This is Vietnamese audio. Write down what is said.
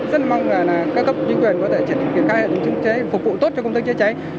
rất là mong là các cấp chính quyền có thể triển khai hệ thống chữa cháy phục vụ tốt cho công dân chữa cháy